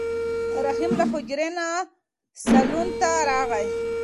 رحیم له حجرې نه صالون ته راغی.